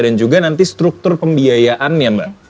dan juga nanti struktur pembiayaannya mbak